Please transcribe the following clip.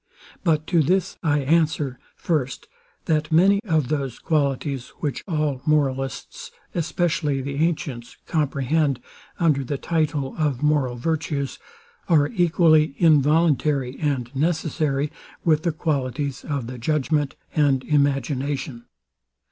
But to this I answer, first, that many of those qualities, which all moralists, especially the antients, comprehend under the title of moral virtues, are equally involuntary and necessary, with the qualities of the judgment and imagination.